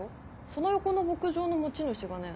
その横の牧場の持ち主がね